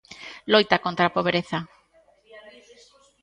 Loita contra a pobreza.